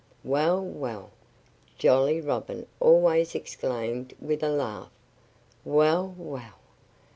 "Well, well!" Jolly Robin always exclaimed with a laugh. "Well, well!